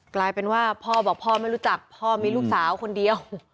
กลายเป็นว่าพ่อบอกพ่อไม่รู้จักพ่อมีลูกสาวคนเดียว